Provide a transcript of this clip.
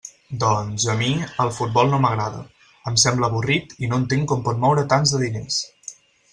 Doncs, a mi, el futbol no m'agrada; em sembla avorrit, i no entenc com pot moure tants de diners.